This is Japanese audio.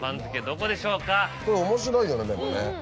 これ面白いよねでもね。